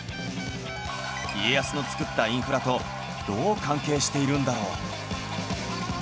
家康のつくったインフラとどう関係しているんだろう？